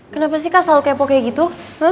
kenapa sih kan selalu kepo kayak gitu